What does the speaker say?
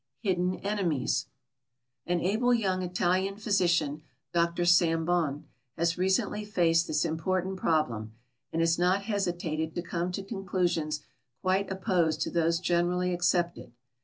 HIDDEN ENEMIES An able young Italian physician, Dr Sambon, has recently faced this important problem, and has not hesitated to come to conclusions quite opposed to those generally accepted.